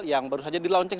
yang baru saja dilaunching